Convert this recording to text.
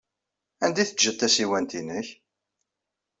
Anda ay teǧǧid tasiwant-nnek?